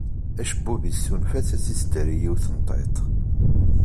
Acebbub-is tunef-as ad as-yesdari yiwet n tiṭ.